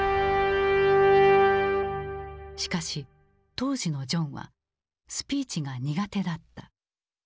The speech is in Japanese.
しかし当時のジョンはスピーチが苦手だった。